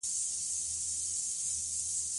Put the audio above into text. د ګازرو اوبه د سترګو لپاره ګټورې دي.